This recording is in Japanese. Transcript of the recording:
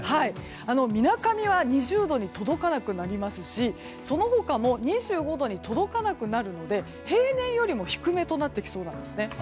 みなかみは２０度に届かなくなりますしその他も２５度に届かなくなるので平年よりも低めとなってきそうなんですね。